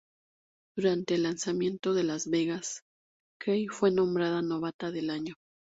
Durante el lanzamiento en Las Vegas, Kate fue nombrada 'Novata del Año'.